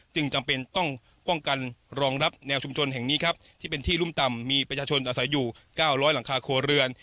จำเป็นต้องป้องกันรองรับแนวชุมชนแห่งนี้ครับที่เป็นที่รุ่มต่ำมีประชาชนอาศัยอยู่๙๐๐หลังคาครัวเรือน